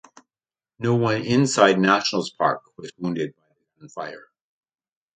No one inside Nationals Park was wounded by the gunfire.